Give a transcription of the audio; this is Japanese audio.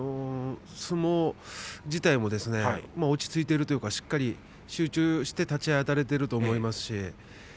相撲自体も落ち着いているというかしっかり集中して立ちあたっていると思います。